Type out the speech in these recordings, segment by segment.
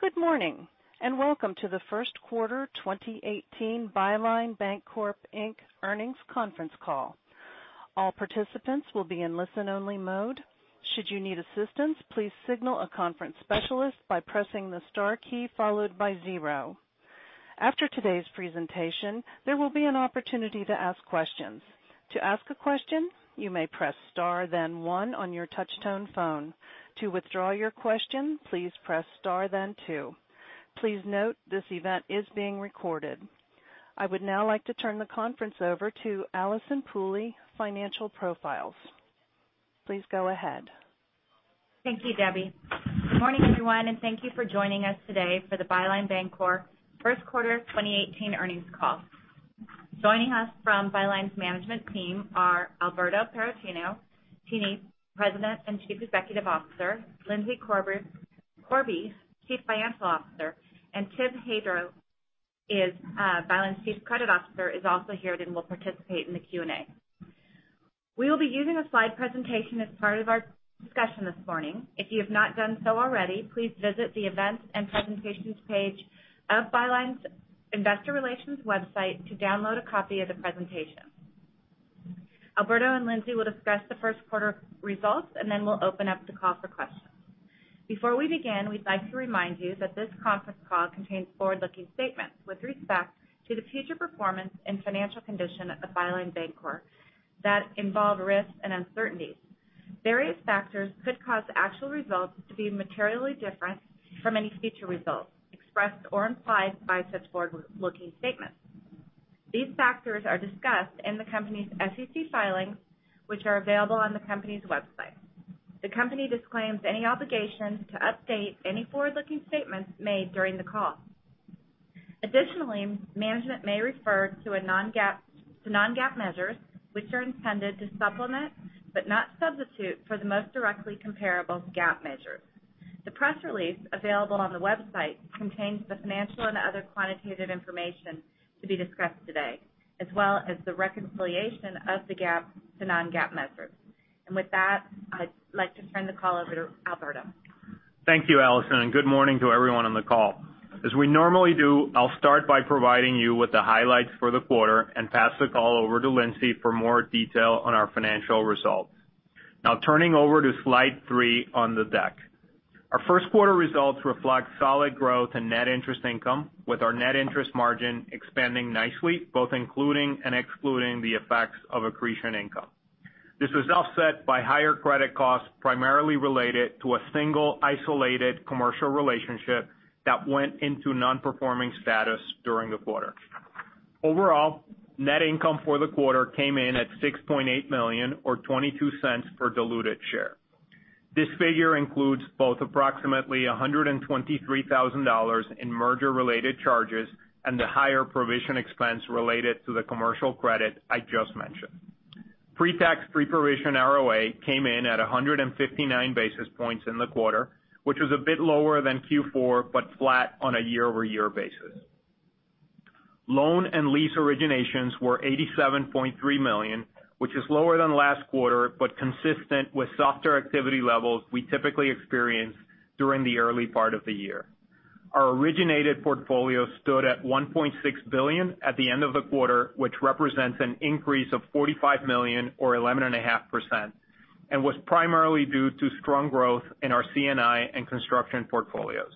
Good morning, welcome to the first quarter 2018 Byline Bancorp, Inc. earnings conference call. All participants will be in listen-only mode. Should you need assistance, please signal a conference specialist by pressing the star key followed by zero. After today's presentation, there will be an opportunity to ask questions. To ask a question, you may press star then one on your touchtone phone. To withdraw your question, please press star then two. Please note this event is being recorded. I would now like to turn the conference over to Allyson Pooley, Financial Profiles. Please go ahead. Thank you, Debbie. Good morning, everyone, thank you for joining us today for the Byline Bancorp first quarter 2018 earnings call. Joining us from Byline's management team are Alberto Paracchini, President and Chief Executive Officer, Lindsay Corby, Chief Financial Officer, Tim Hadro, Byline's Chief Credit Officer, is also here and will participate in the Q&A. We will be using a slide presentation as part of our discussion this morning. If you have not done so already, please visit the Events and Presentations page of Byline's investor relations website to download a copy of the presentation. Alberto and Lindsay will discuss the first quarter results. We'll open up the call for questions. Before we begin, we'd like to remind you that this conference call contains forward-looking statements with respect to the future performance and financial condition of the Byline Bancorp that involve risks and uncertainties. Various factors could cause actual results to be materially different from any future results expressed or implied by such forward-looking statements. These factors are discussed in the company's SEC filings, which are available on the company's website. The company disclaims any obligation to update any forward-looking statements made during the call. Additionally, management may refer to non-GAAP measures, which are intended to supplement, but not substitute, for the most directly comparable GAAP measures. The press release available on the website contains the financial and other quantitative information to be discussed today, as well as the reconciliation of the GAAP to non-GAAP measures. With that, I'd like to turn the call over to Alberto. Thank you, Allyson, good morning to everyone on the call. As we normally do, I'll start by providing you with the highlights for the quarter and pass the call over to Lindsay for more detail on our financial results. Now turning over to slide three on the deck. Our first quarter results reflect solid growth and net interest income, with our net interest margin expanding nicely, both including and excluding the effects of accretion income. This was offset by higher credit costs, primarily related to a single isolated commercial relationship that went into non-performing status during the quarter. Overall, net income for the quarter came in at $6.8 million or $0.22 per diluted share. This figure includes both approximately $123,000 in merger-related charges and the higher provision expense related to the commercial credit I just mentioned. Pre-tax pre-provision ROA came in at 159 basis points in the quarter, which was a bit lower than Q4, but flat on a year-over-year basis. Loan and lease originations were $87.3 million, which is lower than last quarter, but consistent with softer activity levels we typically experience during the early part of the year. Our originated portfolio stood at $1.6 billion at the end of the quarter, which represents an increase of $45 million or 11.5%, and was primarily due to strong growth in our C&I and construction portfolios.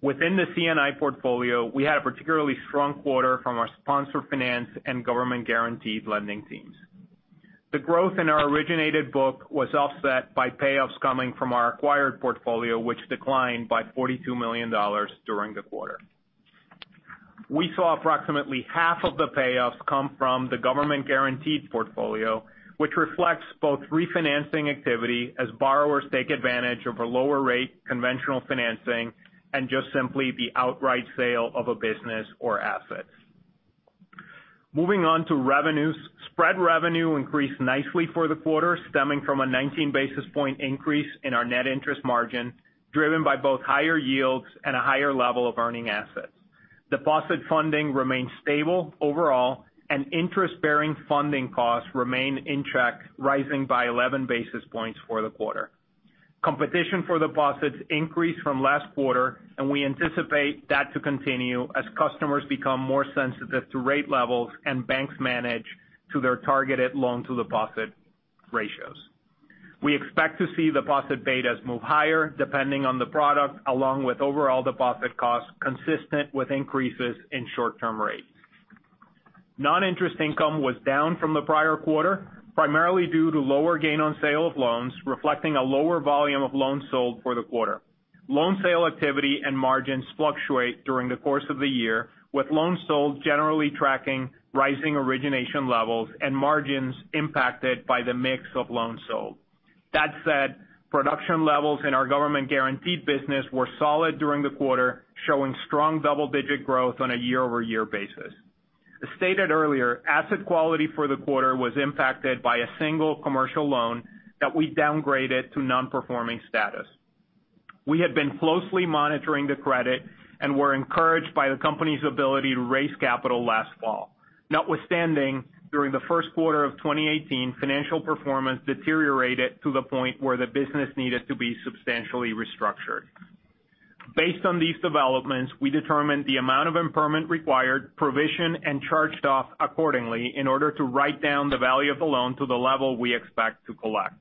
Within the C&I portfolio, we had a particularly strong quarter from our sponsor finance and government guaranteed lending teams. The growth in our originated book was offset by payoffs coming from our acquired portfolio, which declined by $42 million during the quarter. We saw approximately half of the payoffs come from the government guaranteed portfolio, which reflects both refinancing activity as borrowers take advantage of a lower rate conventional financing, and just simply the outright sale of a business or assets. Moving on to revenues. Spread revenue increased nicely for the quarter, stemming from a 19 basis point increase in our net interest margin, driven by both higher yields and a higher level of earning assets. Deposit funding remains stable overall, and interest-bearing funding costs remain in check, rising by 11 basis points for the quarter. We anticipate that to continue as customers become more sensitive to rate levels and banks manage to their targeted loan-to-deposit ratios. We expect to see deposit betas move higher, depending on the product, along with overall deposit costs consistent with increases in short-term rates. Non-interest income was down from the prior quarter, primarily due to lower gain on sale of loans, reflecting a lower volume of loans sold for the quarter. Loan sale activity and margins fluctuate during the course of the year, with loans sold generally tracking rising origination levels and margins impacted by the mix of loans sold. That said, production levels in our government guaranteed business were solid during the quarter, showing strong double-digit growth on a year-over-year basis. As stated earlier, asset quality for the quarter was impacted by a single commercial loan that we downgraded to non-performing status. We had been closely monitoring the credit and were encouraged by the company's ability to raise capital last fall. Notwithstanding, during the first quarter of 2018, financial performance deteriorated to the point where the business needed to be substantially restructured. Based on these developments, we determined the amount of impairment required, provision, and charged off accordingly in order to write down the value of the loan to the level we expect to collect.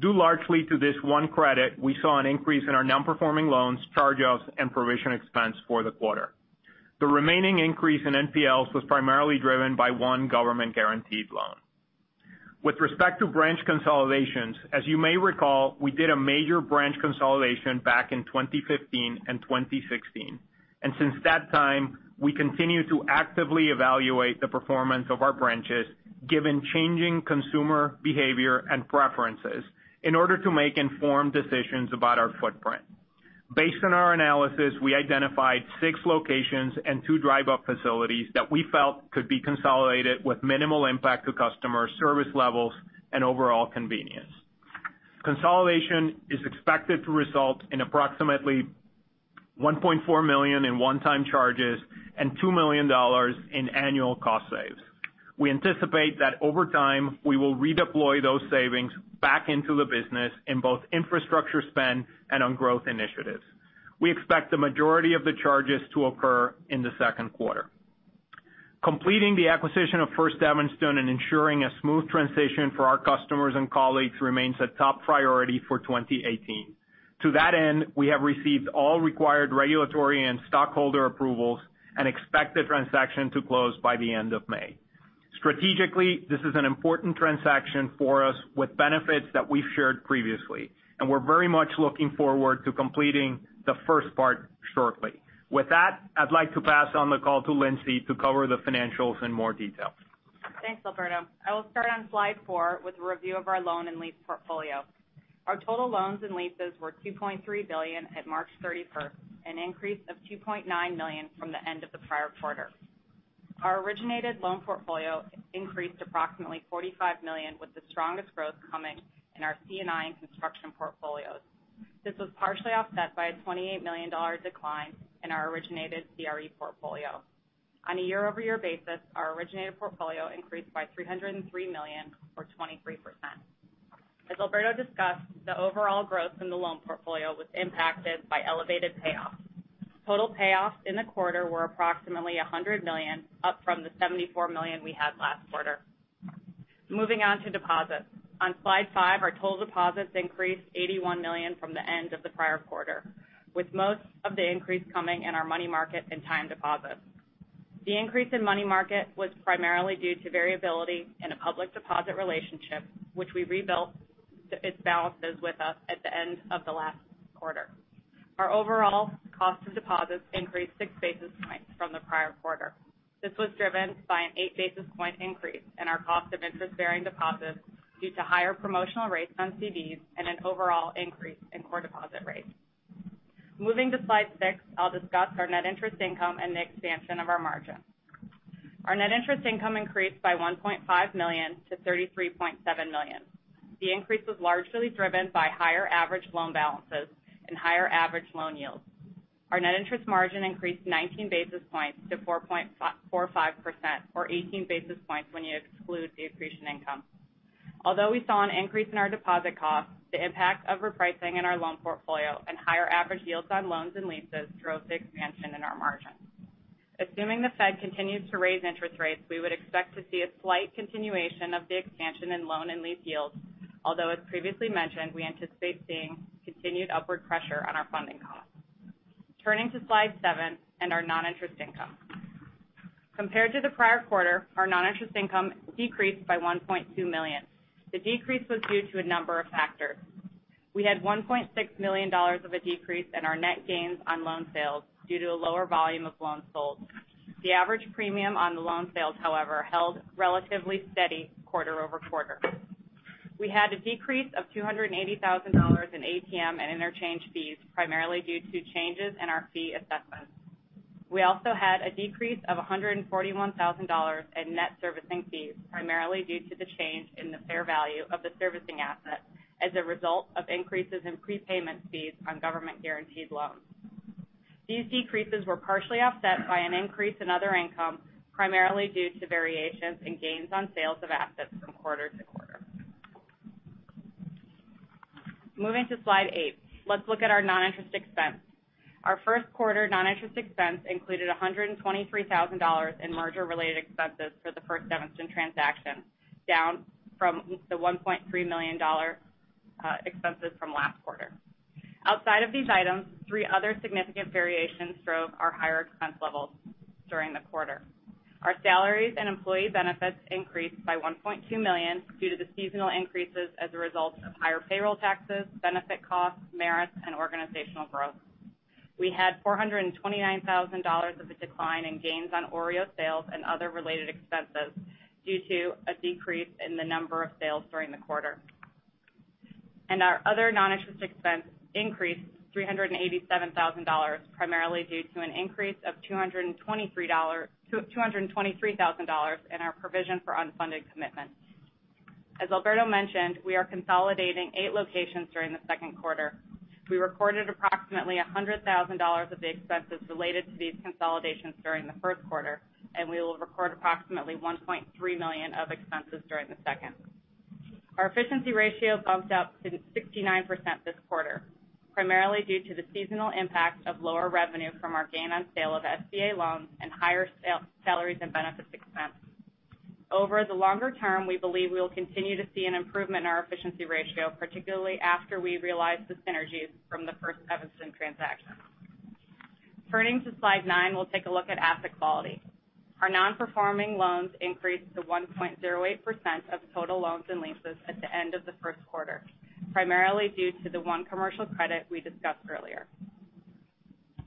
Due largely to this one credit, we saw an increase in our non-performing loans, charge-offs, and provision expense for the quarter. The remaining increase in NPLs was primarily driven by one government-guaranteed loan. With respect to branch consolidations, as you may recall, we did a major branch consolidation back in 2015 and 2016. Since that time, we continue to actively evaluate the performance of our branches, given changing consumer behavior and preferences in order to make informed decisions about our footprint. Based on our analysis, we identified six locations and two drive-up facilities that we felt could be consolidated with minimal impact to customer service levels and overall convenience. Consolidation is expected to result in approximately $1.4 million in one-time charges and $2 million in annual cost saves. We anticipate that over time, we will redeploy those savings back into the business in both infrastructure spend and on growth initiatives. We expect the majority of the charges to occur in the second quarter. Completing the acquisition of First Evanston and ensuring a smooth transition for our customers and colleagues remains a top priority for 2018. To that end, we have received all required regulatory and stockholder approvals and expect the transaction to close by the end of May. Strategically, this is an important transaction for us with benefits that we've shared previously, and we're very much looking forward to completing the first part shortly. With that, I'd like to pass on the call to Lindsay to cover the financials in more detail. Thanks, Alberto. I will start on slide four with a review of our loan and lease portfolio. Our total loans and leases were $2.3 billion at March 31st, an increase of $2.9 million from the end of the prior quarter. Our originated loan portfolio increased approximately $45 million, with the strongest growth coming in our C&I and construction portfolios. This was partially offset by a $28 million decline in our originated CRE portfolio. On a year-over-year basis, our originated portfolio increased by $303 million or 23%. As Alberto discussed, the overall growth in the loan portfolio was impacted by elevated payoffs. Total payoffs in the quarter were approximately $100 million, up from the $74 million we had last quarter. Moving on to deposits. On slide five, our total deposits increased $81 million from the end of the prior quarter, with most of the increase coming in our money market and time deposits. The increase in money market was primarily due to variability in a public deposit relationship, which we rebuilt its balances with us at the end of the last quarter. Our overall cost of deposits increased six basis points from the prior quarter. This was driven by an eight basis point increase in our cost of interest-bearing deposits due to higher promotional rates on CDs and an overall increase in core deposit rates. Moving to slide six, I'll discuss our net interest income and the expansion of our margin. Our net interest income increased by $1.5 million to $33.7 million. The increase was largely driven by higher average loan balances and higher average loan yields. Our net interest margin increased 19 basis points to 4.45%, or 18 basis points when you exclude the accretion income. Although we saw an increase in our deposit costs, the impact of repricing in our loan portfolio and higher average yields on loans and leases drove the expansion in our margins. Assuming the Fed continues to raise interest rates, we would expect to see a slight continuation of the expansion in loan and lease yields. Although, as previously mentioned, we anticipate seeing continued upward pressure on our funding costs. Turning to slide seven and our non-interest income. Compared to the prior quarter, our non-interest income decreased by $1.2 million. The decrease was due to a number of factors. We had $1.6 million of a decrease in our net gains on loan sales due to a lower volume of loans sold. The average premium on the loan sales, however, held relatively steady quarter-over-quarter. We had a decrease of $280,000 in ATM and interchange fees, primarily due to changes in our fee assessments. We also had a decrease of $141,000 in net servicing fees, primarily due to the change in the fair value of the servicing asset as a result of increases in prepayment fees on government-guaranteed loans. These decreases were partially offset by an increase in other income, primarily due to variations in gains on sales of assets from quarter to quarter. Moving to slide eight. Let's look at our non-interest expense. Our first quarter non-interest expense included $123,000 in merger-related expenses for the First Evanston transaction, down from the $1.3 million expenses from last quarter. Outside of these items, three other significant variations drove our higher expense levels during the quarter. Our salaries and employee benefits increased by $1.2 million due to the seasonal increases as a result of higher payroll taxes, benefit costs, merits, and organizational growth. We had $429,000 of a decline in gains on OREO sales and other related expenses due to a decrease in the number of sales during the quarter. Our other non-interest expense increased $387,000, primarily due to an increase of $223,000 in our provision for unfunded commitments. As Alberto mentioned, we are consolidating eight locations during the second quarter. We recorded approximately $100,000 of the expenses related to these consolidations during the first quarter, and we will record approximately $1.3 million of expenses during the second. Our efficiency ratio bumped up to 69% this quarter, primarily due to the seasonal impact of lower revenue from our gain on sale of SBA loans and higher salaries and benefits expense. Over the longer term, we believe we will continue to see an improvement in our efficiency ratio, particularly after we realize the synergies from the First Evanston transaction. Turning to slide nine, we'll take a look at asset quality. Our non-performing loans increased to 1.08% of total loans and leases at the end of the first quarter, primarily due to the one commercial credit we discussed earlier.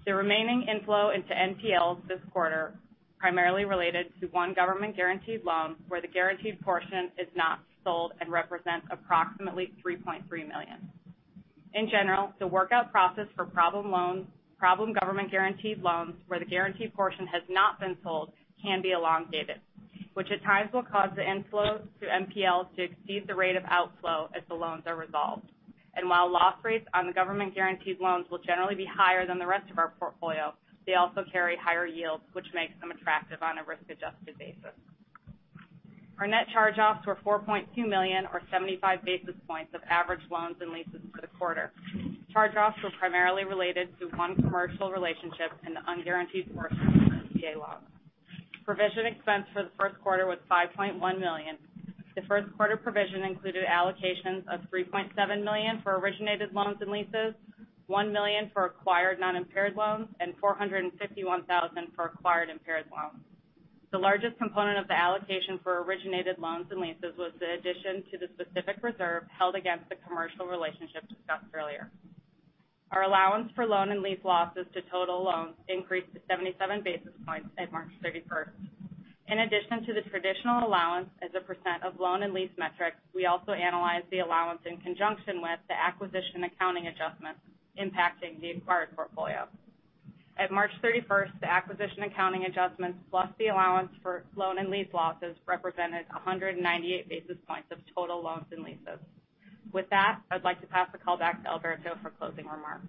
The remaining inflow into NPLs this quarter primarily related to one government-guaranteed loan where the guaranteed portion is not sold and represents approximately $3.3 million. In general, the workout process for problem government-guaranteed loans where the guaranteed portion has not been sold can be elongated, which at times will cause the inflow to NPLs to exceed the rate of outflow as the loans are resolved. While loss rates on the government-guaranteed loans will generally be higher than the rest of our portfolio, they also carry higher yields, which makes them attractive on a risk-adjusted basis. Our net charge-offs were $4.2 million or 75 basis points of average loans and leases for the quarter. Charge-offs were primarily related to one commercial relationship and the unguaranteed portion of the SBA loan. Provision expense for the first quarter was $5.1 million. The first quarter provision included allocations of $3.7 million for originated loans and leases, $1 million for acquired non-impaired loans, and $451,000 for acquired impaired loans. The largest component of the allocation for originated loans and leases was the addition to the specific reserve held against the commercial relationship discussed earlier. Our allowance for loan and lease losses to total loans increased to 77 basis points at March 31st. In addition to the traditional allowance as a % of loan and lease metrics, we also analyzed the allowance in conjunction with the acquisition accounting adjustments impacting the acquired portfolio. At March 31st, the acquisition accounting adjustments plus the allowance for loan and lease losses represented 198 basis points of total loans and leases. With that, I'd like to pass the call back to Alberto for closing remarks.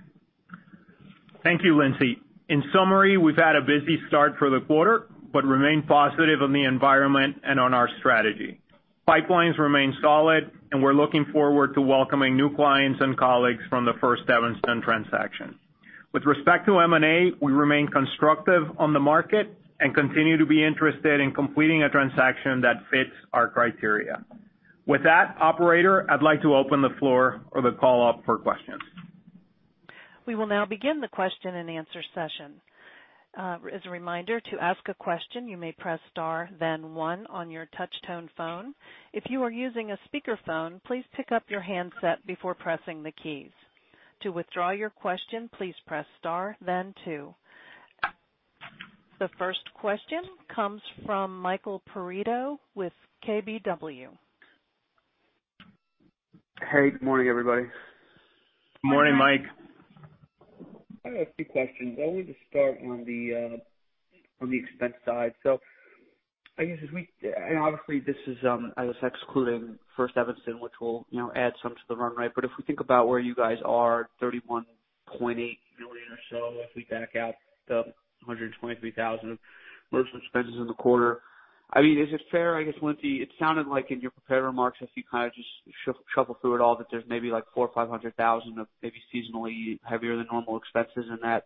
Thank you, Lindsay. In summary, we've had a busy start for the quarter but remain positive on the environment and on our strategy. Pipelines remain solid, and we're looking forward to welcoming new clients and colleagues from the First Evanston transaction. With respect to M&A, we remain constructive on the market and continue to be interested in completing a transaction that fits our criteria. With that, operator, I'd like to open the floor or the call up for questions. We will now begin the question and answer session. As a reminder, to ask a question, you may press star then one on your touch-tone phone. If you are using a speakerphone, please pick up your handset before pressing the keys. To withdraw your question, please press star then two. The first question comes from Michael Perito with KBW. Hey, good morning, everybody. Morning, Mike. I have a few questions. I'll just start on the expense side. I guess, and obviously this is excluding First Evanston, which will add some to the run rate. But if we think about where you guys are, $31.8 million or so, if we back out the $123,000 of merger expenses in the quarter. Is it fair, I guess, Lindsay, it sounded like in your prepared remarks, if you kind of just shuffle through it all, that there's maybe like $400,000 or $500,000 of maybe seasonally heavier than normal expenses in that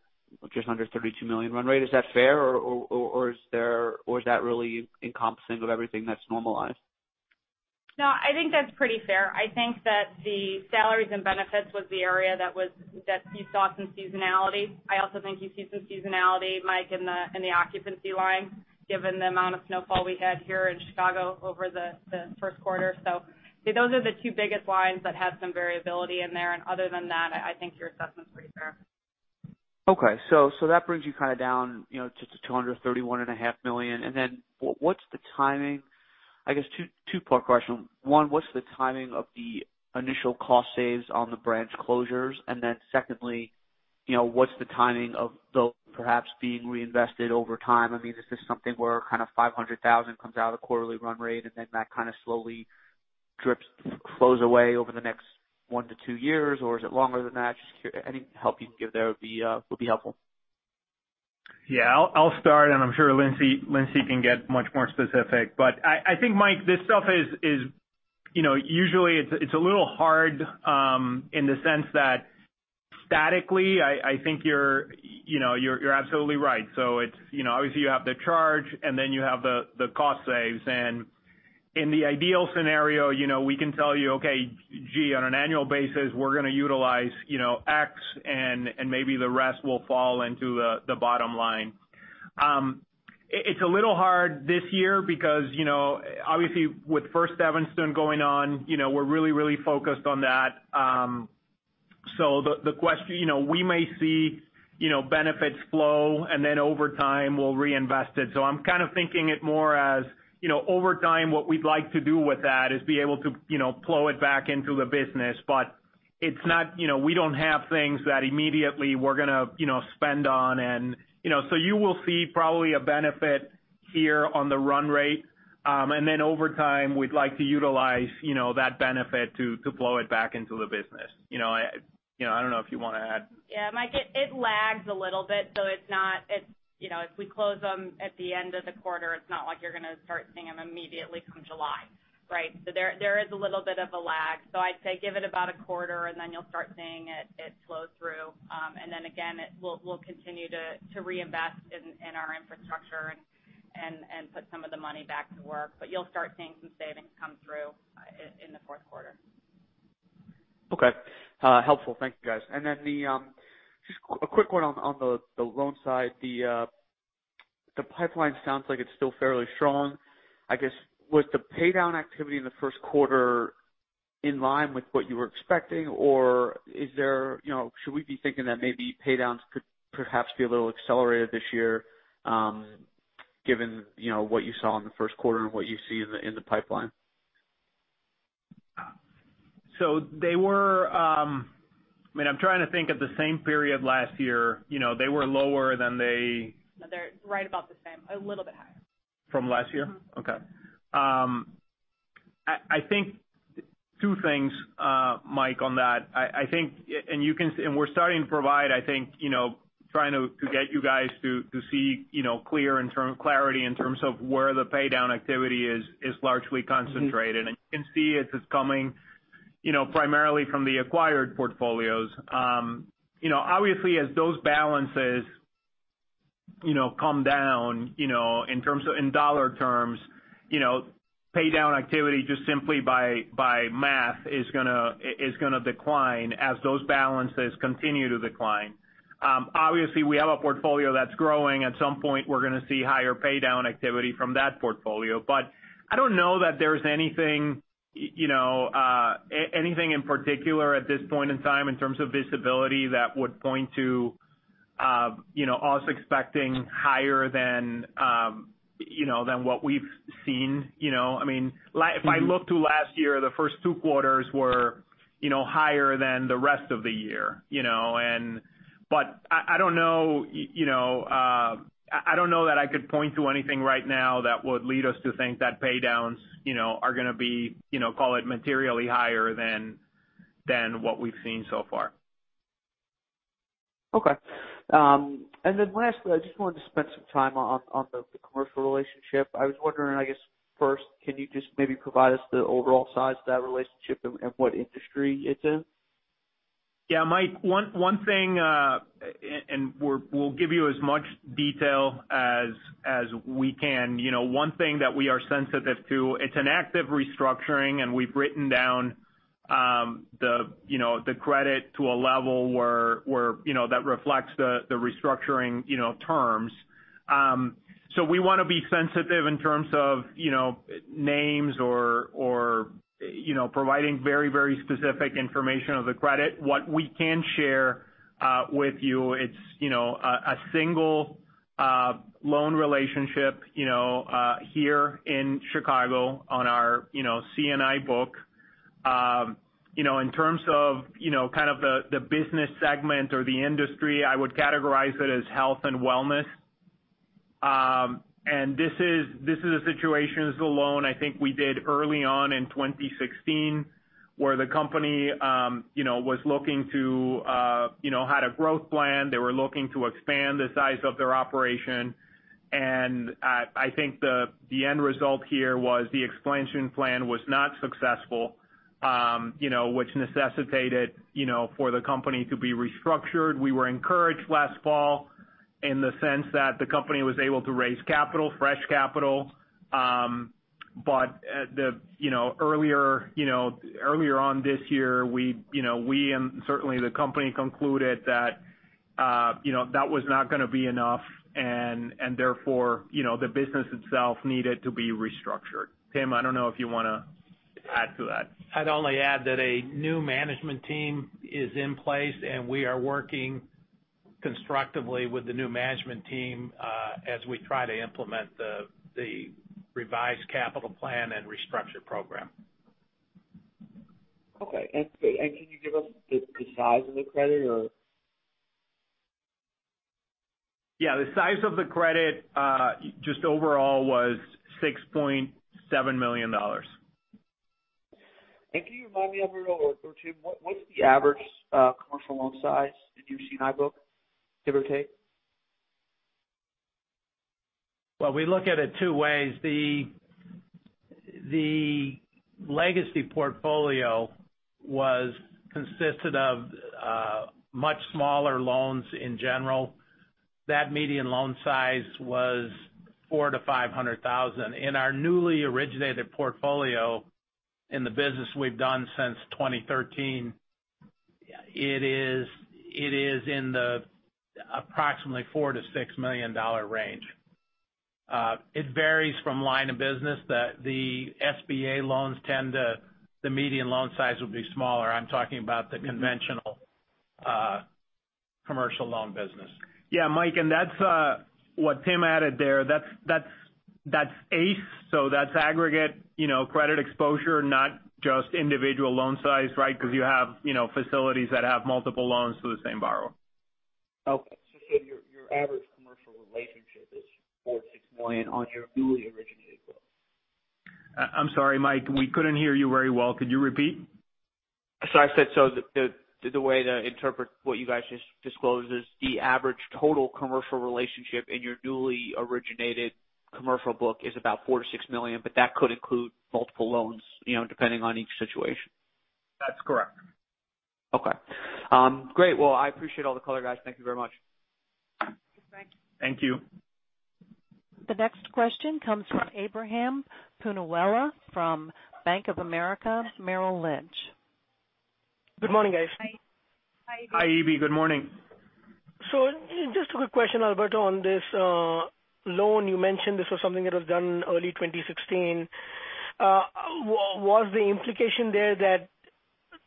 just under $32 million run rate. Is that fair or is that really encompassing of everything that's normalized? I think that's pretty fair. I think that the salaries and benefits was the area that you saw some seasonality. I also think you see some seasonality, Mike, in the occupancy line, given the amount of snowfall we had here in Chicago over the first quarter. Those are the two biggest lines that had some variability in there. Other than that, I think your assessment's pretty fair. That brings you kind of down just to $231.5 million. What's the timing? Two-part question. One, what's the timing of the initial cost saves on the branch closures? Secondly, what's the timing of those perhaps being reinvested over time? Is this something where kind of $500,000 comes out of the quarterly run rate and then that kind of slowly drips flows away over the next one to two years? Or is it longer than that? Just curious. Any help you can give there would be helpful. Yeah. I'll start. I'm sure Lindsay Corby can get much more specific. I think Michael Perito, this stuff is usually it's a little hard in the sense that statically, I think you're absolutely right. Obviously you have the charge and then you have the cost saves. In the ideal scenario, we can tell you, okay, gee, on an annual basis, we're going to utilize X and maybe the rest will fall into the bottom line. It's a little hard this year because obviously with First Evanston going on we're really, really focused on that. We may see benefits flow and then over time we'll reinvest it. I'm kind of thinking it more as over time, what we'd like to do with that is be able to plow it back into the business. It's not. We don't have things that immediately we're going to spend on. You will see probably a benefit here on the run rate. Then over time, we'd like to utilize that benefit to flow it back into the business. I don't know if you want to add. Yeah, Michael Perito, it lags a little bit, so it's not. If we close them at the end of the quarter, it's not like you're going to start seeing them immediately come July, right? There is a little bit of a lag. I'd say give it about a quarter, then you'll start seeing it flow through. Then again, we'll continue to reinvest in our infrastructure and put some of the money back to work. You'll start seeing some savings come through in the fourth quarter. Okay. Helpful. Thank you, guys. Then just a quick one on the loan side, the pipeline sounds like it's still fairly strong. I guess, was the paydown activity in the first quarter in line with what you were expecting? Should we be thinking that maybe paydowns could perhaps be a little accelerated this year given what you saw in the first quarter and what you see in the pipeline? They were-- I'm trying to think of the same period last year. They were lower than they- No, they're right about the same, a little bit higher. From last year? Okay. I think two things, Mike, on that. I think-- and we're starting to provide, I think, trying to get you guys to see clarity in terms of where the paydown activity is largely concentrated. You can see it is coming primarily from the acquired portfolios. Obviously, as those balances come down in dollar terms, paydown activity just simply by math is going to decline as those balances continue to decline. Obviously, we have a portfolio that's growing. At some point, we're going to see higher paydown activity from that portfolio. I don't know that there's anything in particular at this point in time in terms of visibility that would point to us expecting higher than what we've seen. If I look to last year, the first two quarters were higher than the rest of the year. I don't know that I could point to anything right now that would lead us to think that paydowns are going to be, call it materially higher than what we've seen so far. Okay. Lastly, I just wanted to spend some time on the commercial relationship. I was wondering, I guess first, can you just maybe provide us the overall size of that relationship and what industry it's in? Yeah, Mike, one thing, we'll give you as much detail as we can. One thing that we are sensitive to, it's an active restructuring, and we've written down the credit to a level where that reflects the restructuring terms. We want to be sensitive in terms of names or providing very specific information of the credit. What we can share with you, it's a single loan relationship here in Chicago on our C&I book. In terms of kind of the business segment or the industry, I would categorize it as health and wellness. This is a situation, this is a loan I think we did early on in 2016, where the company had a growth plan. They were looking to expand the size of their operation. I think the end result here was the expansion plan was not successful, which necessitated for the company to be restructured. We were encouraged last fall in the sense that the company was able to raise capital, fresh capital. Earlier on this year, we and certainly the company concluded that was not going to be enough, and therefore, the business itself needed to be restructured. Tim, I don't know if you want to add to that. I'd only add that a new management team is in place, and we are working constructively with the new management team as we try to implement the revised capital plan and restructure program. Okay. That's great. Can you give us the size of the credit or? Yeah, the size of the credit, just overall was $6.7 million. Can you remind me, Alberto or Tim, what's the average commercial loan size in your C&I book, give or take? Well, we look at it two ways. The legacy portfolio consisted of much smaller loans in general. That median loan size was $400,000-$500,000. In our newly originated portfolio in the business we've done since 2013, it is in the approximately $4 million-$6 million range. It varies from line of business. The SBA loans, the median loan size will be smaller. I'm talking about the conventional- Commercial loan business. Yeah, Mike, that's what Tim added there. That's ACE, that's aggregate credit exposure, not just individual loan size, right? Because you have facilities that have multiple loans to the same borrower. Okay. You're saying your average commercial relationship is $4 million-$6 million on your newly originated book. I'm sorry, Mike, we couldn't hear you very well. Could you repeat? I said, the way to interpret what you guys just disclosed is the average total commercial relationship in your newly originated commercial book is about $4 million-$6 million, that could include multiple loans, depending on each situation. That's correct. Okay. Great. I appreciate all the color, guys. Thank you very much. Thanks. Thank you. The next question comes from Ebrahim Poonawala from Bank of America Merrill Lynch. Good morning, guys. Hi. Hi, Ebi. Good morning. Just a quick question, Alberto, on this loan you mentioned this was something that was done early 2016. Was the implication there that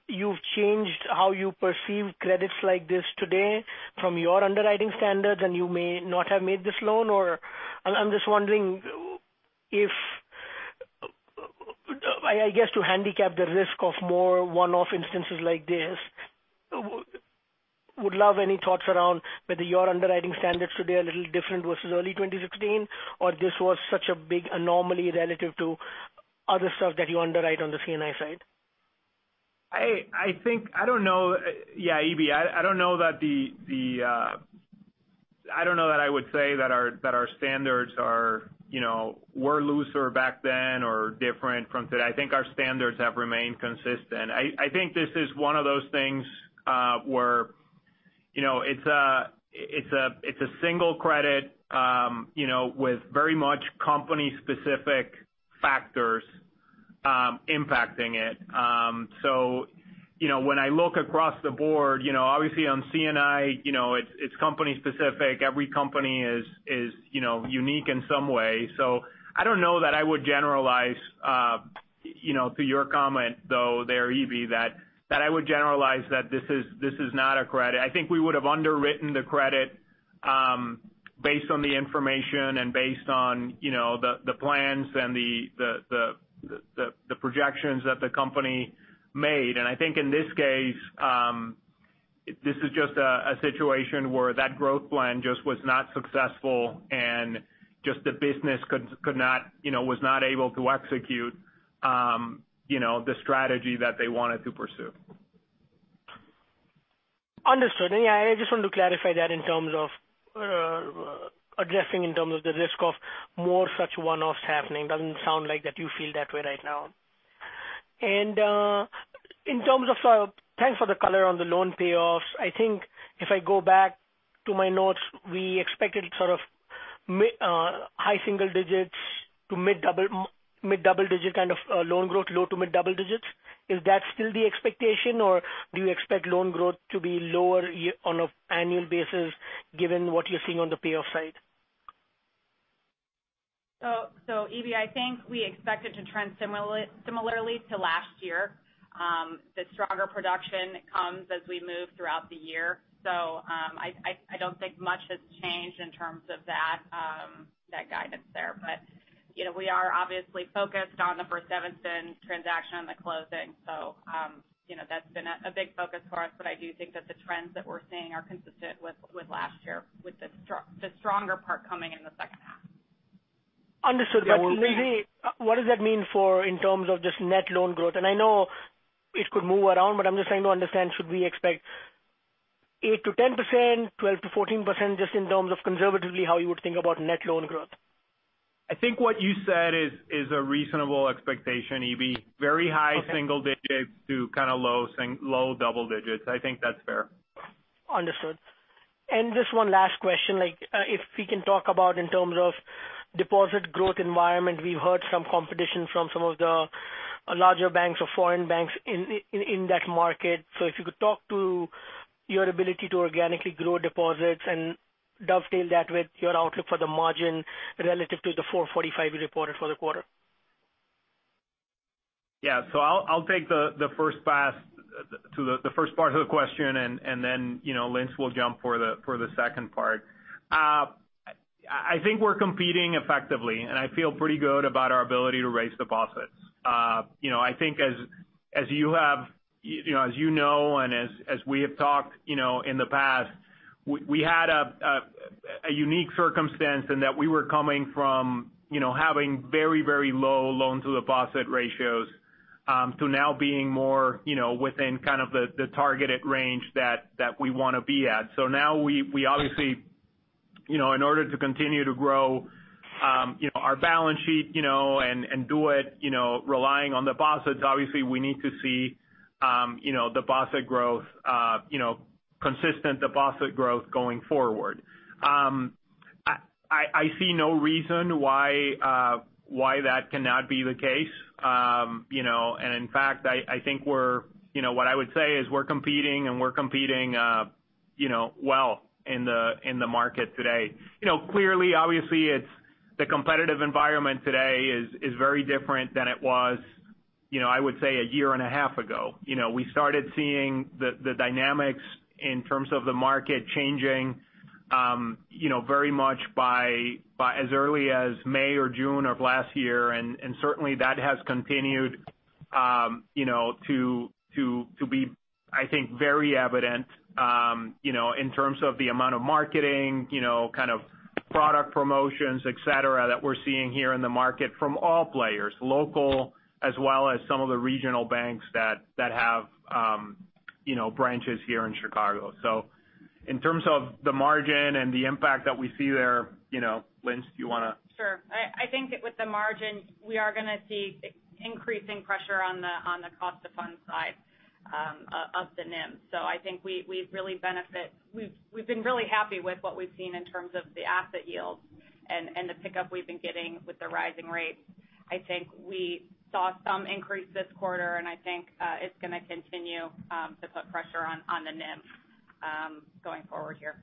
you've changed how you perceive credits like this today from your underwriting standards, and you may not have made this loan or I'm just wondering if, I guess, to handicap the risk of more one-off instances like this. Would love any thoughts around whether your underwriting standards today are a little different versus early 2016, or this was such a big anomaly relative to other stuff that you underwrite on the C&I side. I think, I don't know. Yeah, Ebi, I don't know that I would say that our standards were looser back then or different from today. I think our standards have remained consistent. I think this is one of those things where it's a single credit with very much company-specific factors impacting it. When I look across the board, obviously on C&I, it's company specific. Every company is unique in some way. I don't know that I would generalize to your comment, though, there Ebi, that I would generalize that this is not a credit. I think we would have underwritten the credit based on the information and based on the plans and the projections that the company made. I think in this case, this is just a situation where that growth plan just was not successful and just the business was not able to execute the strategy that they wanted to pursue. Understood. Yeah, I just wanted to clarify that in terms of addressing in terms of the risk of more such one-offs happening. Doesn't sound like that you feel that way right now. Thanks for the color on the loan payoffs. I think if I go back to my notes, we expected sort of high single digits to mid double-digit kind of loan growth, low to mid double-digits. Is that still the expectation, or do you expect loan growth to be lower on an annual basis given what you're seeing on the payoff side? Ebi, I think we expect it to trend similarly to last year. The stronger production comes as we move throughout the year. I don't think much has changed in terms of that guidance there. We are obviously focused on the First Evanston transaction and the closing. That's been a big focus for us, but I do think that the trends that we're seeing are consistent with last year, with the stronger part coming in the second half. Understood. Lindsay, what does that mean for in terms of just net loan growth? I know it could move around, but I'm just trying to understand, should we expect 8%-10%, 12%-14%, just in terms of conservatively how you would think about net loan growth? I think what you said is a reasonable expectation, Ebi. Okay. Very high single digits to kind of low double digits. I think that's fair. Understood. Just one last question, if we can talk about in terms of deposit growth environment. We've heard some competition from some of the larger banks or foreign banks in that market. If you could talk to your ability to organically grow deposits and dovetail that with your outlook for the margin relative to the 445 you reported for the quarter. I'll take the first part of the question, then Linds will jump for the second part. I think we're competing effectively. I feel pretty good about our ability to raise deposits. I think as you know, as we have talked in the past, we had a unique circumstance in that we were coming from having very low loan-to-deposit ratio to now being more within kind of the targeted range that we want to be at. Now we obviously, in order to continue to grow our balance sheet and do it relying on deposits, obviously, we need to see consistent deposit growth going forward. I see no reason why that cannot be the case. In fact, I think what I would say is we're competing and we're competing well in the market today. Clearly, obviously, the competitive environment today is very different than it was I would say a year and a half ago. We started seeing the dynamics in terms of the market changing very much by as early as May or June of last year. Certainly that has continued to be, I think, very evident in terms of the amount of marketing, kind of product promotions, et cetera, that we're seeing here in the market from all players, local as well as some of the regional banks that have branches here in Chicago. In terms of the margin and the impact that we see there, Lindsay, do you want to? Sure. I think with the margin, we are going to see increasing pressure on the cost of funds side of the NIM. I think we've been really happy with what we've seen in terms of the asset yields and the pickup we've been getting with the rising rates. I think we saw some increase this quarter. I think it's going to continue to put pressure on the NIM going forward here.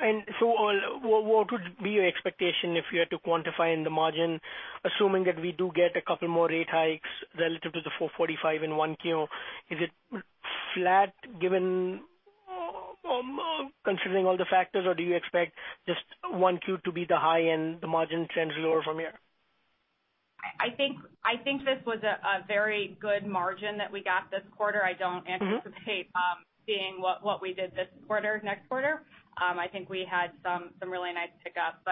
What would be your expectation if you had to quantify in the margin, assuming that we do get a couple more rate hikes relative to the 445 in 1Q? Is it flat considering all the factors, or do you expect just 1Q to be the high end, the margin trends lower from here? I think this was a very good margin that we got this quarter. I don't anticipate seeing what we did this quarter next quarter. I think we had some really nice pickups.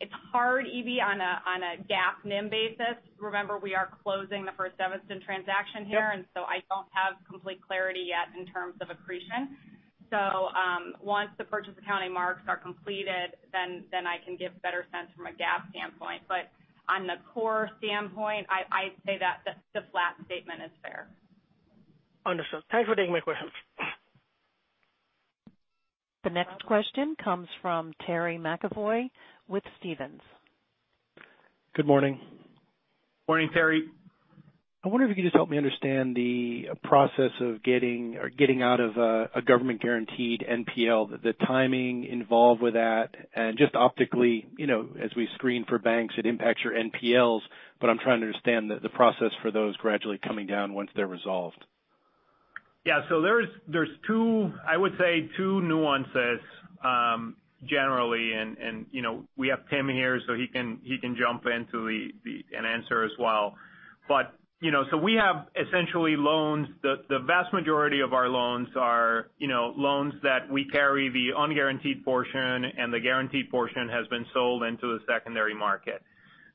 It's hard, EB, on a GAAP NIM basis. Remember, we are closing the First Evanston transaction here, I don't have complete clarity yet in terms of accretion. Once the purchase accounting marks are completed, then I can give better sense from a GAAP standpoint. On the core standpoint, I'd say that the flat statement is fair. Understood. Thanks for taking my questions. The next question comes from Terry McEvoy with Stephens. Good morning. Morning, Terry. I wonder if you could just help me understand the process of getting out of a government-guaranteed NPL, the timing involved with that, and just optically, as we screen for banks, it impacts your NPLs. I'm trying to understand the process for those gradually coming down once they're resolved. Yeah. There's two, I would say two nuances generally. We have Tim here, so he can jump into and answer as well. We have essentially loans-- the vast majority of our loans are loans that we carry the unguaranteed portion and the guaranteed portion has been sold into the secondary market.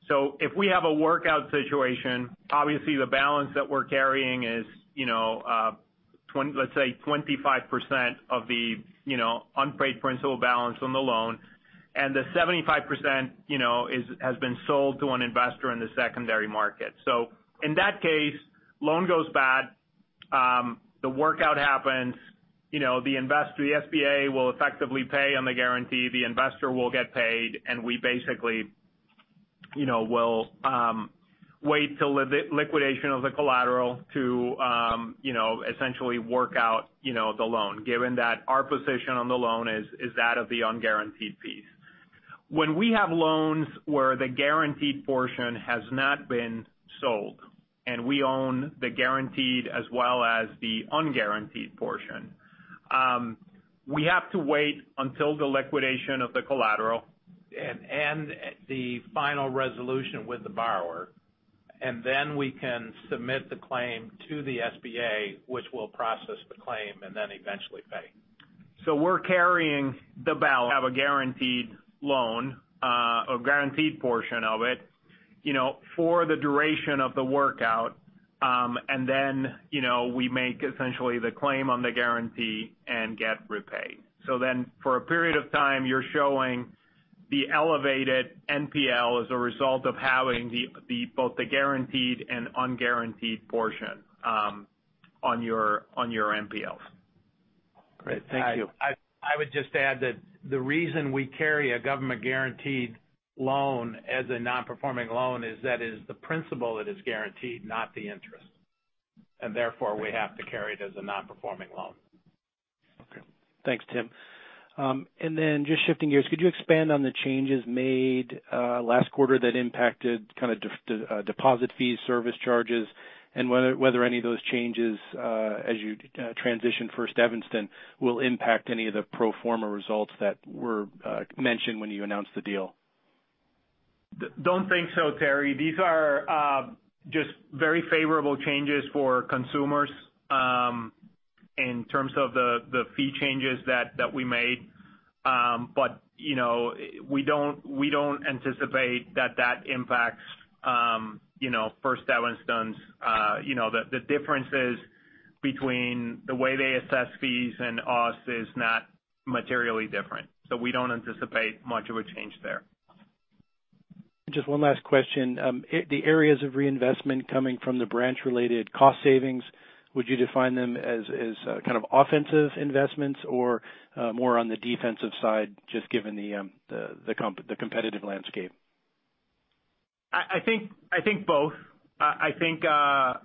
If we have a workout situation, obviously the balance that we're carrying is let's say 25% of the unpaid principal balance on the loan and the 75% has been sold to an investor in the secondary market. In that case, loan goes bad, the workout happens, the SBA will effectively pay on the guarantee, the investor will get paid, and we basically will wait till liquidation of the collateral to essentially work out the loan, given that our position on the loan is that of the unguaranteed piece. When we have loans where the guaranteed portion has not been sold and we own the guaranteed as well as the unguaranteed portion, we have to wait until the liquidation of the collateral and the final resolution with the borrower, and then we can submit the claim to the SBA, which will process the claim and then eventually pay. We're carrying the balance of a guaranteed loan, a guaranteed portion of it for the duration of the workout, and then we make essentially the claim on the guarantee and get repaid. For a period of time, you're showing the elevated NPL as a result of having both the guaranteed and unguaranteed portion on your NPLs. Great. Thank you. I would just add that the reason we carry a government-guaranteed loan as a non-performing loan is that it is the principal that is guaranteed, not the interest, and therefore we have to carry it as a non-performing loan. Okay. Thanks, Tim. Just shifting gears, could you expand on the changes made last quarter that impacted kind of deposit fees, service charges, and whether any of those changes as you transition First Evanston will impact any of the pro forma results that were mentioned when you announced the deal? Don't think so, Terry. These are just very favorable changes for consumers in terms of the fee changes that we made. We don't anticipate that that impacts First Evanston's the differences between the way they assess fees and us is not materially different. We don't anticipate much of a change there. Just one last question. The areas of reinvestment coming from the branch-related cost savings, would you define them as kind of offensive investments or more on the defensive side, just given the competitive landscape? I think both. I think I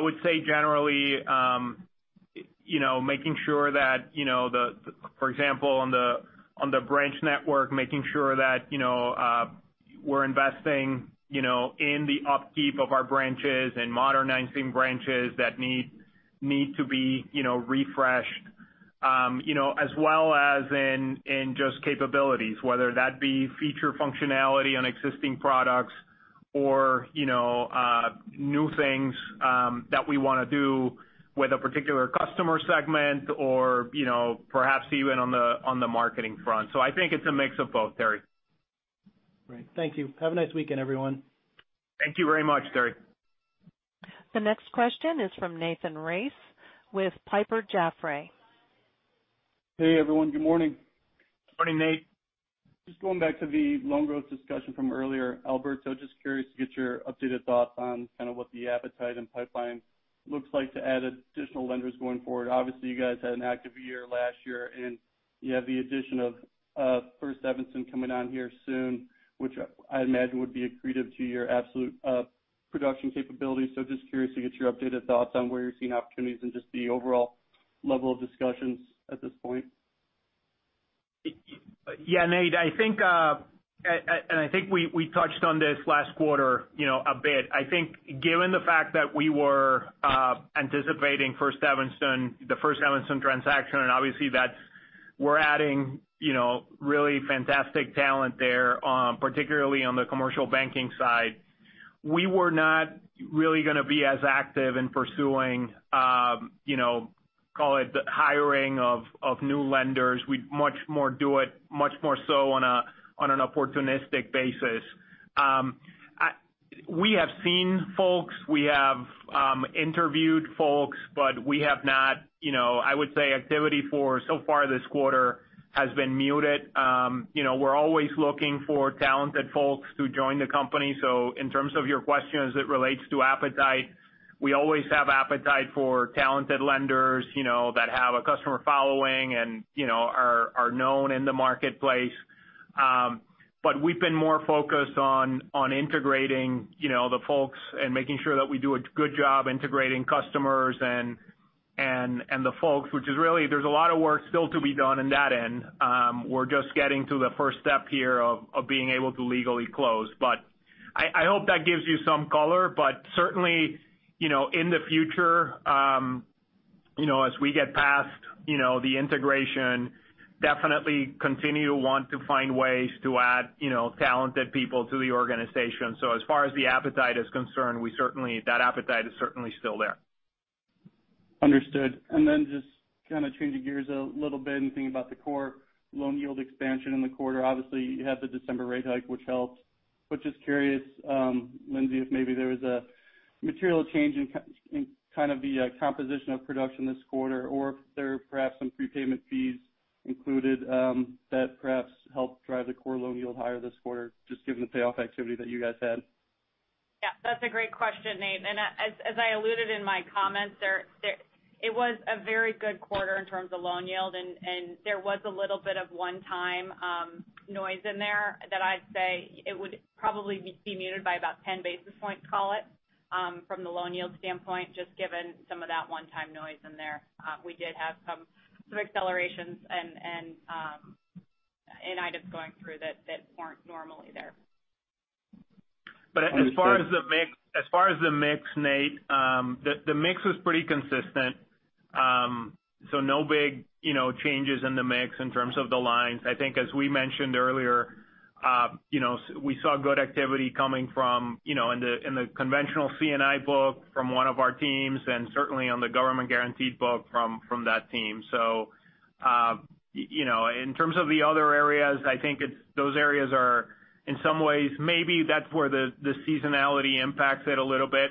would say generally, making sure that, for example, on the branch network, making sure that we're investing in the upkeep of our branches and modernizing branches that need to be refreshed as well as in just capabilities, whether that be feature functionality on existing products or new things that we want to do with a particular customer segment or perhaps even on the marketing front. I think it's a mix of both, Terry. Great. Thank you. Have a nice weekend, everyone. Thank you very much, Terry. The next question is from Nathan Race with Piper Jaffray. Hey, everyone. Good morning. Morning, Nate. Just going back to the loan growth discussion from earlier, Alberto, just curious to get your updated thoughts on kind of what the appetite and pipeline looks like to add additional lenders going forward. Obviously, you guys had an active year last year, and you have the addition of First Evanston coming on here soon, which I imagine would be accretive to your absolute production capabilities. Just curious to get your updated thoughts on where you're seeing opportunities and just the overall level of discussions at this point. Yeah, Nate, I think we touched on this last quarter a bit. I think given the fact that we were anticipating the First Evanston transaction, obviously we're adding really fantastic talent there, particularly on the commercial banking side. We were not really going to be as active in pursuing, call it the hiring of new lenders. We'd much more do it much more so on an opportunistic basis. We have seen folks, we have interviewed folks, I would say activity so far this quarter has been muted. We're always looking for talented folks to join the company. In terms of your question as it relates to appetite, we always have appetite for talented lenders that have a customer following and are known in the marketplace. We've been more focused on integrating the folks and making sure that we do a good job integrating customers and the folks, which is really there's a lot of work still to be done on that end. We're just getting to the first step here of being able to legally close. I hope that gives you some color, certainly, in the future as we get past the integration, definitely continue to want to find ways to add talented people to the organization. As far as the appetite is concerned, that appetite is certainly still there. Understood. Then just kind of changing gears a little bit and thinking about the core loan yield expansion in the quarter. Obviously, you had the December rate hike, which helped, just curious, Lindsay, if maybe there was a material change in kind of the composition of production this quarter, or if there were perhaps some prepayment fees included that perhaps helped drive the core loan yield higher this quarter, just given the payoff activity that you guys had. Yeah, that's a great question, Nate. As I alluded in my comments, it was a very good quarter in terms of loan yield, and there was a little bit of one-time noise in there that I'd say it would probably be muted by about 10 basis points, call it, from the loan yield standpoint, just given some of that one-time noise in there. We did have some accelerations and items going through that weren't normally there. As far as the mix, Nate, the mix was pretty consistent. No big changes in the mix in terms of the lines. I think as we mentioned earlier, we saw good activity coming from in the conventional C&I book from one of our teams and certainly on the government-guaranteed book from that team. In terms of the other areas, I think those areas are in some ways, maybe that's where the seasonality impacts it a little bit.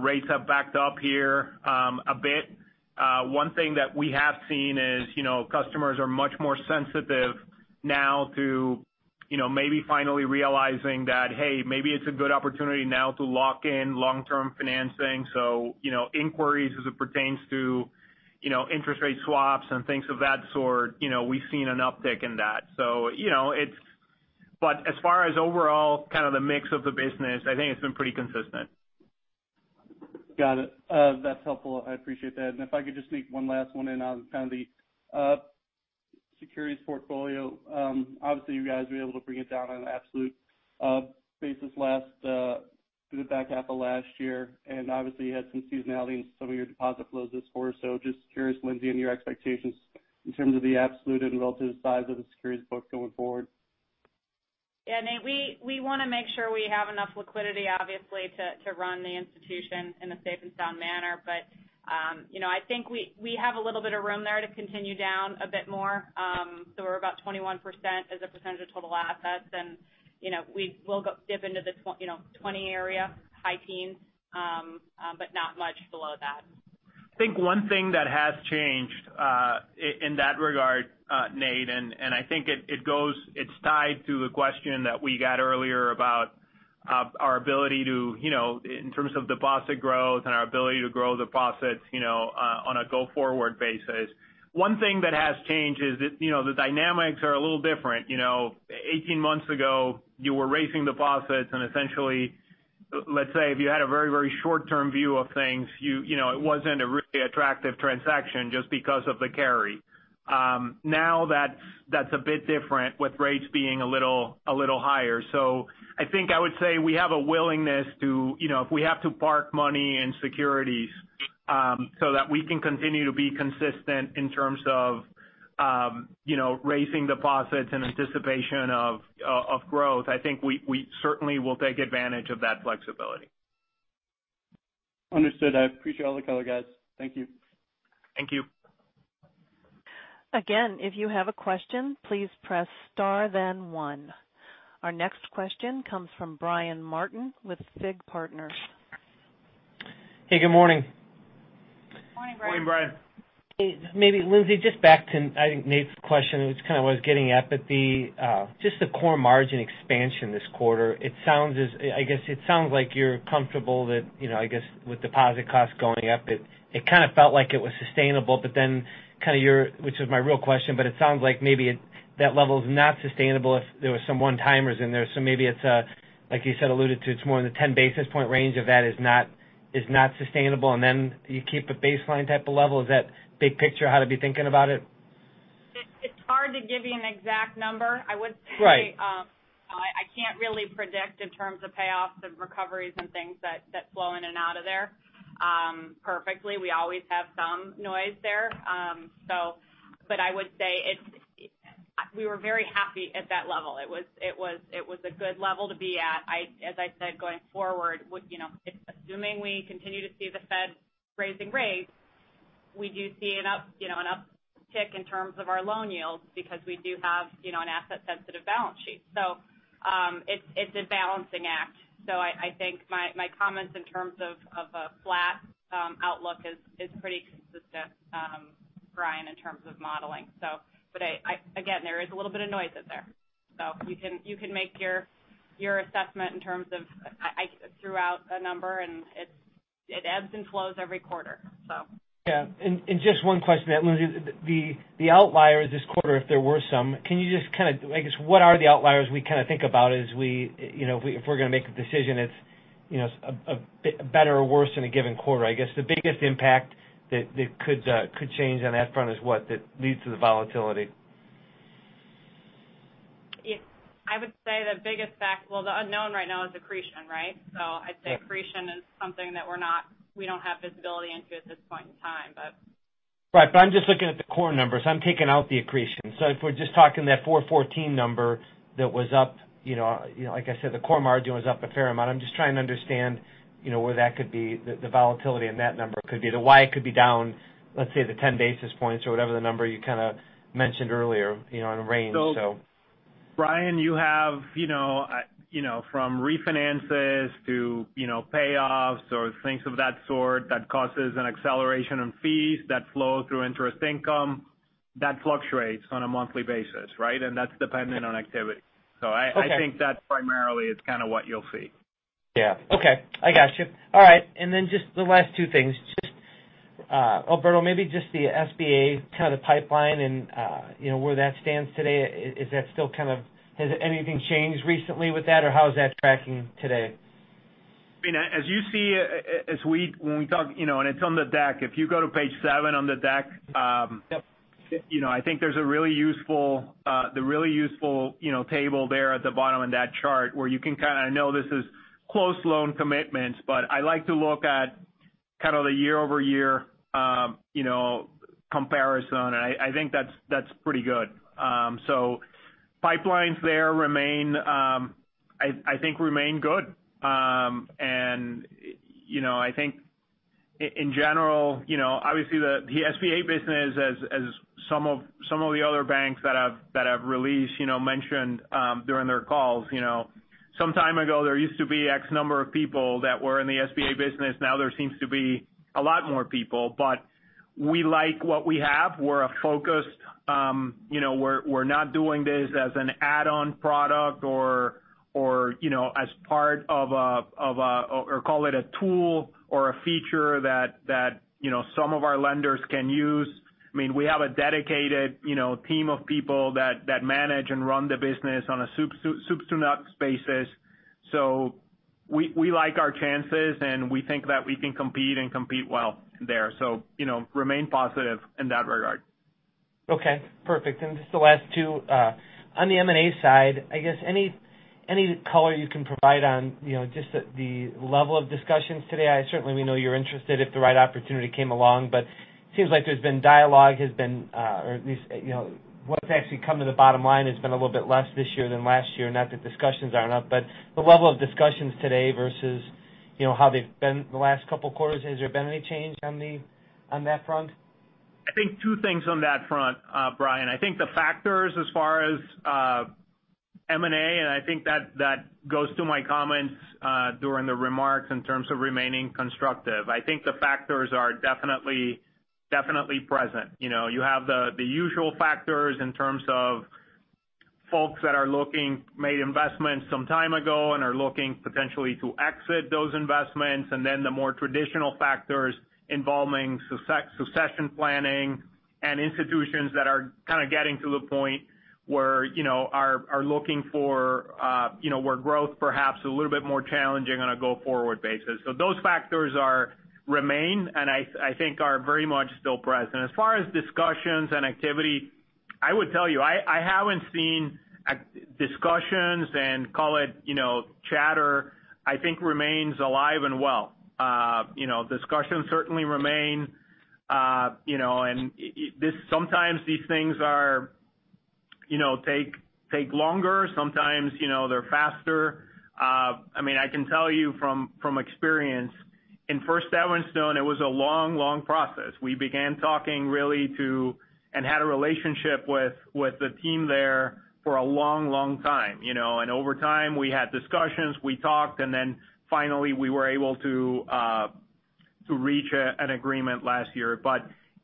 Rates have backed up here a bit. One thing that we have seen is customers are much more sensitive now to maybe finally realizing that, hey, maybe it's a good opportunity now to lock in long-term financing. Inquiries as it pertains to interest rate swaps and things of that sort, we've seen an uptick in that. As far as overall kind of the mix of the business, I think it's been pretty consistent. Got it. That's helpful. I appreciate that. If I could just sneak one last one in on kind of the securities portfolio. Obviously, you guys were able to bring it down on an absolute basis through the back half of last year. Obviously, you had some seasonality in some of your deposit flows this quarter. Just curious, Lindsay, on your expectations in terms of the absolute and relative size of the securities book going forward. Nate, we want to make sure we have enough liquidity, obviously, to run the institution in a safe and sound manner. I think we have a little bit of room there to continue down a bit more. We're about 21% as a percentage of total assets, and we will dip into the 20 area, high teens, but not much below that. I think one thing that has changed in that regard, Nate, and I think it's tied to the question that we got earlier about in terms of deposit growth and our ability to grow deposits on a go-forward basis. One thing that has changed is the dynamics are a little different. 18 months ago, you were raising deposits and if you had a very short-term view of things, it wasn't a really attractive transaction just because of the carry. Now that's a bit different with rates being a little higher. I think I would say we have a willingness to if we have to park money in securities so that we can continue to be consistent in terms of raising deposits in anticipation of growth. I think we certainly will take advantage of that flexibility. Understood. I appreciate all the color, guys. Thank you. Thank you. Again, if you have a question, please press star then one. Our next question comes from Brian Martin with FIG Partners. Hey, good morning. Morning, Brian. Morning, Brian. Lindsay, just back to, I think Nate's question, which kind of was getting at just the core margin expansion this quarter. I guess it sounds like you're comfortable that, I guess with deposit costs going up, it kind of felt like it was sustainable, which is my real question, it sounds like maybe that level is not sustainable if there were some one-timers in there. Maybe it's, like you said, alluded to, it's more in the 10 basis point range of that is not sustainable and then you keep a baseline type of level. Is that big picture how to be thinking about it? It's hard to give you an exact number. Right. I would say, I can't really predict in terms of payoffs and recoveries and things that flow in and out of there perfectly. We always have some noise there. I would say we were very happy at that level. It was a good level to be at. As I said, going forward, assuming we continue to see the Fed raising rates, we do see an uptick in terms of our loan yields because we do have an asset-sensitive balance sheet. It's a balancing act. I think my comments in terms of a flat outlook is pretty consistent, Brian, in terms of modeling. Again, there is a little bit of noise in there. You can make your assessment in terms of I threw out a number, and it ebbs and flows every quarter. Yeah. Just one question, Lindsay. The outliers this quarter, if there were some. I guess, what are the outliers we kind of think about as if we're going to make a decision if it's better or worse in a given quarter? I guess the biggest impact that could change on that front is what, that leads to the volatility? I would say the biggest factor, well, the unknown right now is accretion, right? I'd say accretion is something that we don't have visibility into at this point in time, but. Right. I'm just looking at the core numbers. I'm taking out the accretion. If we're just talking that 414 number that was up, like I said, the core margin was up a fair amount. I'm just trying to understand where that could be, the volatility in that number could be. The why it could be down, let's say the 10 basis points or whatever the number you kind of mentioned earlier in range, so. Brian, you have from refinances to payoffs or things of that sort that causes an acceleration in fees that flow through interest income. That fluctuates on a monthly basis, right? That's dependent on activity. Okay. I think that primarily is kind of what you'll see. Yeah. Okay. I got you. All right. Then just the last two things. Alberto, maybe just the SBA kind of pipeline and where that stands today. Has anything changed recently with that, or how is that tracking today? As you see, it's on the deck. If you go to page seven on the deck. Yep There's the really useful table there at the bottom in that chart where you can kind of know this is close loan commitments. I like to look at kind of the year-over-year comparison, and that's pretty good. Pipelines there remain good. In general, obviously the SBA business as some of the other banks that have released mentioned during their calls. Some time ago, there used to be X number of people that were in the SBA business. Now there seems to be a lot more people. We like what we have. We're focused. We're not doing this as an add-on product or as part of a tool or a feature that some of our lenders can use. We have a dedicated team of people that manage and run the business on a soup to nuts basis. We like our chances, and we think that we can compete and compete well there. Remain positive in that regard. Okay, perfect. Just the last two. On the M&A side, I guess any color you can provide on just the level of discussions today. Certainly, we know you're interested if the right opportunity came along, but seems like there's been dialogue or at least what's actually come to the bottom line has been a little bit less this year than last year. Not that discussions aren't up, but the level of discussions today versus how they've been the last couple of quarters. Has there been any change on that front? I think two things on that front, Brian. I think the factors as far as M&A, and I think that goes to my comments during the remarks in terms of remaining constructive. I think the factors are definitely present. You have the usual factors in terms of folks that are looking, made investments some time ago and are looking potentially to exit those investments. Then the more traditional factors involving succession planning And institutions that are kind of getting to the point where are looking for where growth perhaps a little bit more challenging on a go-forward basis. Those factors remain, and I think are very much still present. As far as discussions and activity, I would tell you, I haven't seen discussions and call it chatter, I think remains alive and well. Discussions certainly remain. Sometimes these things take longer, sometimes they're faster. I can tell you from experience, in First Evanston, it was a long process. We began talking really to, and had a relationship with the team there for a long time. Over time, we had discussions, we talked, and then finally we were able to reach an agreement last year.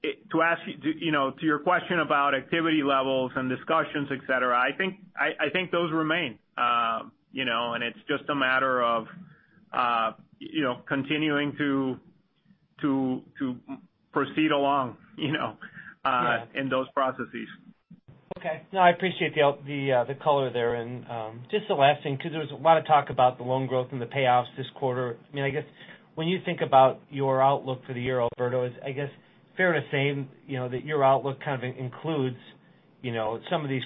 To your question about activity levels and discussions, et cetera, I think those remain. It's just a matter of continuing to proceed along in those processes. Okay. No, I appreciate the color there. Just the last thing, because there was a lot of talk about the loan growth and the payoffs this quarter. I guess when you think about your outlook for the year, Alberto, I guess fair to say that your outlook kind of includes some of these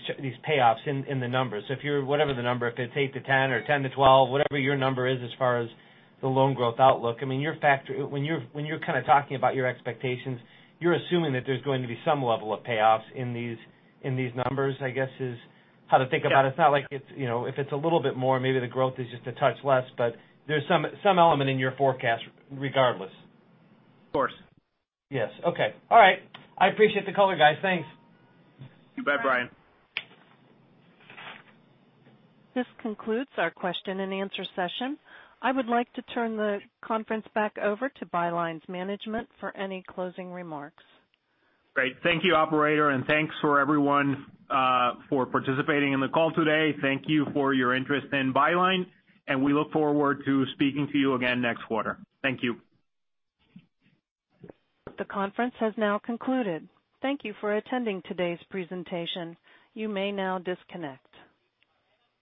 payoffs in the numbers. If you're whatever the number, if it's eight to 10 or 10 to 12, whatever your number is as far as the loan growth outlook. When you're kind of talking about your expectations, you're assuming that there's going to be some level of payoffs in these numbers, I guess is how to think about it. Yeah. It's not like if it's a little bit more, maybe the growth is just a touch less, but there's some element in your forecast regardless. Of course. Yes. Okay. All right. I appreciate the color, guys. Thanks. You bet, Brian. This concludes our question and answer session. I would like to turn the conference back over to Byline's management for any closing remarks. Great. Thank you, operator, and thanks for everyone for participating in the call today. Thank you for your interest in Byline, and we look forward to speaking to you again next quarter. Thank you. The conference has now concluded. Thank you for attending today's presentation. You may now disconnect.